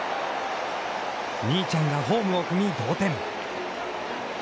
兄ちゃんがホームを踏み同点。